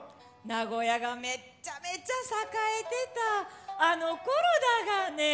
名古屋がめっちゃめちゃ栄えてたあの頃だがね！